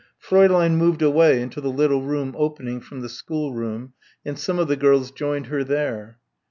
Fräulein moved away into the little room opening from the schoolroom, and some of the girls joined her there.